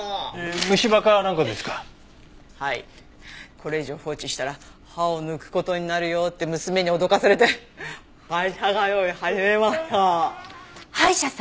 これ以上放置したら歯を抜く事になるよって娘に脅かされて歯医者通い始めました。